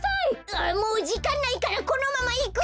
あもうじかんないからこのままいくよ！